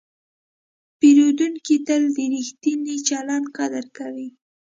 پیرودونکی تل د ریښتیني چلند قدر کوي.